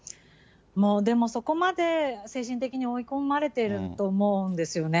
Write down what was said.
もうでも、そこまで精神的に追い込まれていると思うんですよね。